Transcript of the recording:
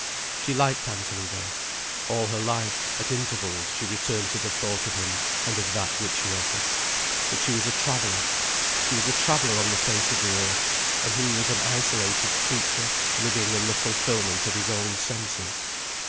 She liked Anthony, though. All her life, at intervals, she returned to the thought of him and of that which he offered. But she was a traveller, she was a traveller on the face of the earth, and he was an isolated creature living in the fulfilment of his own senses.